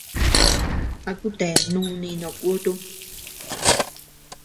¿A kutea núni no kutum?